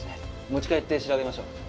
持ち帰って調べましょう。